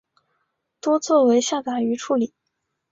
多做为下杂鱼处理。